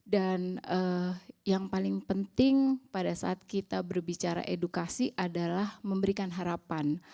dan yang paling penting pada saat kita berbicara edukasi adalah memberikan harapan